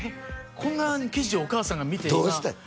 こんな記事お母さんが見てどうしたんや？